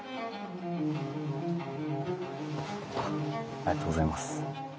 ありがとうございます。